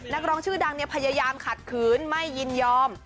นักร้องชื่อดังพยายามขัดขืนไม่ยินยอม